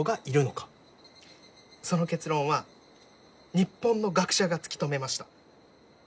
その結論は日本の学者が突き止めました。